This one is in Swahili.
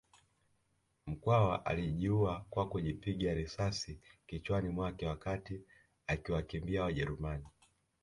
Mkwawa alijiua kwa kujipiga risasi kichwani mwake wakati akiwakimbia Wajerumani